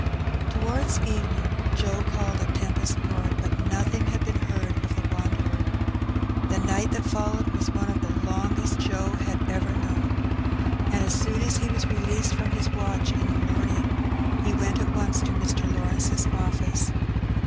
Towards evening Joe called at Tempest Court, but nothing had been heard of the wanderer. The night that followed was one of the longest Joe had ever known, and as Boon as he was released from his watch in the morning he went at once to Mr. Lawrence's office.